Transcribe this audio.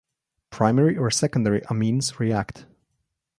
Primary or secondary amines react.